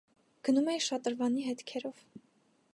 Գնում էի շատրվանի հետքերով: